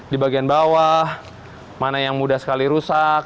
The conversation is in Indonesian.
di bagian bawah mana yang mudah sekali rusak